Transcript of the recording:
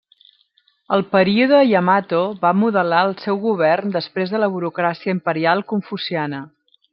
El període Yamato va modelar el seu govern després de la burocràcia imperial confuciana.